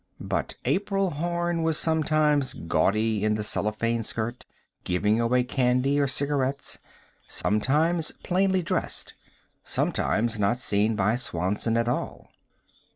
But April Horn was sometimes gaudy in the cellophane skirt, giving away candy or cigarettes; sometimes plainly dressed; sometimes not seen by Swanson at all.